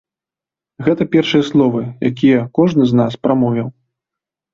Гэта першыя словы, якія кожны з нас прамовіў.